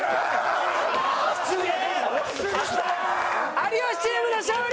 有吉チームの勝利！